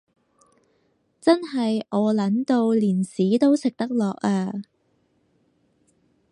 真係餓 𨶙 到連屎都食得落呀